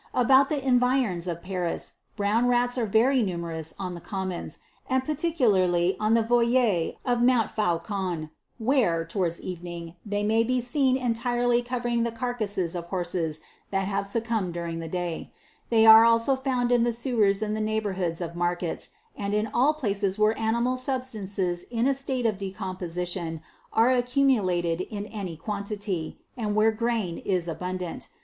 About the environs of Paris, brown rats are very numerous on the commons, and particularly on the voirie of Montfaucon, where, towards evening, they may be seen entirely covering the carcasses of horses that have succumbed during the day ; they are also found in the sewers in the neigh bourhood of markets, and in all places where animal substances in a state of decomposition are accumulated in any quantity, and where grain is abundant.